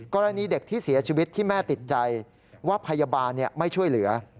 กรณีเด็กที่เสียชีวิตที่แม่ติดใจว่าพยาบาลไม่ช่วยเหลือ